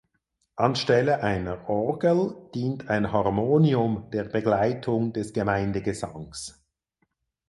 Anstelle einer Orgel dient ein Harmonium der Begleitung des Gemeindegesangs.